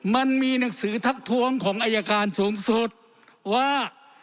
มันมีหนังสือทักท้วงของอายการสูงสุดว่า